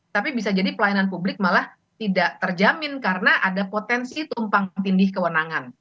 tapi bisa jadi pelayanan publik malah tidak terjamin karena ada potensi tumpang tindih kewenangan